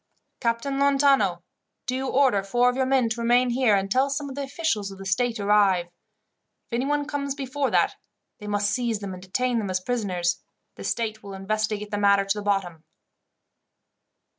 "Captain Lontano, do you order four of your men to remain here, until some of the officials of the state arrive. If anyone comes before that, they must seize them and detain them as prisoners. The state will investigate the matter to the bottom."